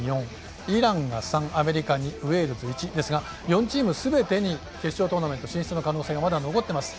４イランが３、アメリカ２ウェールズ１ですが４チームすべてに決勝トーナメント進出の可能性が残っています。